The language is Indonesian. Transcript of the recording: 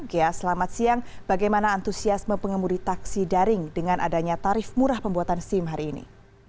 ghea selamat siang bagaimana antusiasme pengemudi taksi daring dengan adanya tarif murah pembuatan sim hari ini